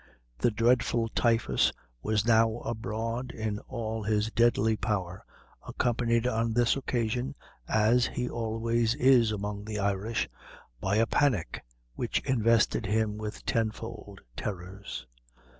The dreadful typhus was now abroad in all his deadly power, accompanied, on this occasion, as he always is among the Irish, by a panic which invested him with tenfold terrors.